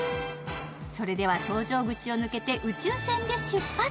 それでは搭乗口を抜けて宇宙船で出発。